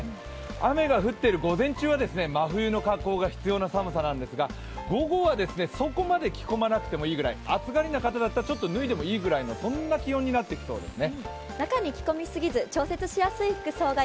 雨が降っている午前中は真冬の格好が必要なんですが、午後は、そこまで着込まなくてもいいぐらい、暑がりな方だったらちょっと脱いでもいいぐらいな気温になってきそうですね。